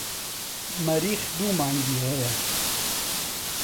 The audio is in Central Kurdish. مەریخ دوو مانگی هەیە.